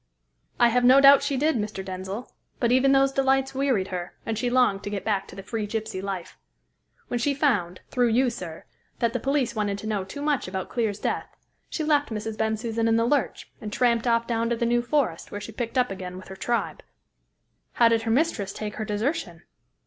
"I have no doubt she did, Mr. Denzil, but even those delights wearied her, and she longed to get back to the free gypsy life. When she found through you, sir that the police wanted to know too much about Clear's death, she left Mrs. Bensusan in the lurch, and tramped off down to the New Forest, where she picked up again with her tribe." "How did her mistress take her desertion?"